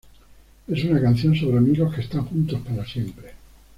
Es una canción sobre amigos que están juntos para siempre.